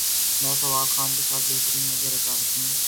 میں فواد خان کے ساتھ بہترین نظر اتی ہوں